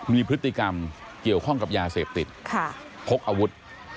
มีพฤติกรรมเกี่ยวข้องกับยาเสพติดพกอาวุธ